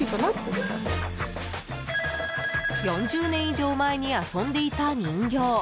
４０年以上前に遊んでいた人形。